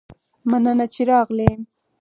مننه چې راغلي